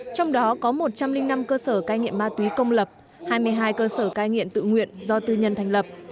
trong đó có một trăm linh năm cơ sở cai nghiện ma túy công lập hai mươi hai cơ sở cai nghiện tự nguyện do tư nhân thành lập